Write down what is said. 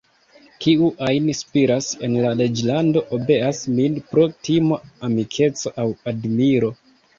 Kiu ajn spiras en la reĝlando, obeas min pro timo, amikeco aŭ admiro.